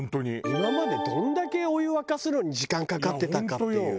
今までどんだけお湯沸かすのに時間かかってたかっていう。